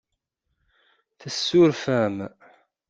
Tessuref-am.